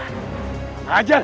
aku akan menghajar